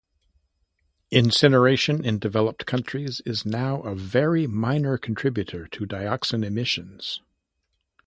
Incineration in developed countries is now a very minor contributor to dioxin emissions.